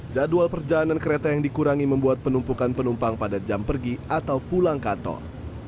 jadwal perjalanan kereta yang dikurangi membuat penumpukan penumpang pada jam pergi atau pulang kantor